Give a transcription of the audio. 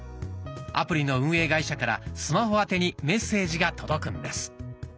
アプリの運営会社からスマホ宛てにメッセージが届くんです。